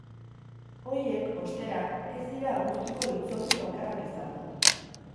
Horiek, ostera, ez dira abuztuko hitzordu bakarrak izango.